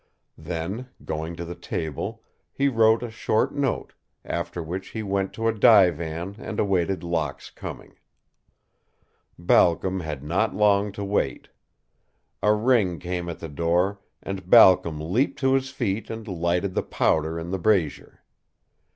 Then, going to the table, he wrote a short note, after which he went to a divan and awaited Locke's coming. Balcom had not long to wait. A ring came at the door and Balcom leaped to his feet and lighted the powder in the brazier.